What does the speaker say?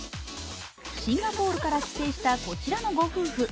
シンガポールから帰省したこちらのご夫婦。